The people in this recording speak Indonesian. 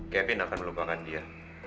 kevin akan melupakan dia